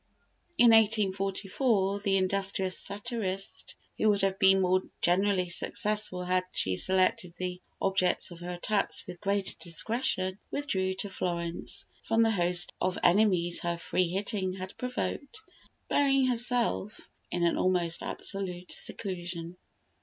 In 1844 the industrious satirist, who would have been more generally successful had she selected the objects of her attacks with greater discretion, withdrew to Florence, from the host of enemies her "free hitting" had provoked, burying herself in an almost absolute seclusion.